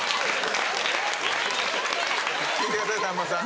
聞いてくださいさんまさん。